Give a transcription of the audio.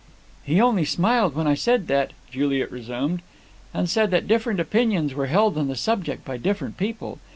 "He only smiled when I said that," Juliet resumed, "and said that different opinions were held on that subject by different people.